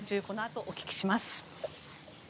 このあと、お聞きします。